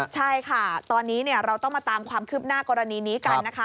ใช่ค่ะตอนนี้เราต้องมาตามความคืบหน้ากรณีนี้กันนะคะ